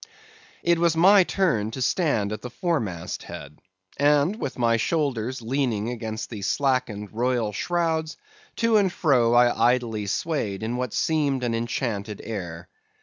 It was my turn to stand at the foremast head; and with my shoulders leaning against the slackened royal shrouds, to and fro I idly swayed in what seemed an enchanted air.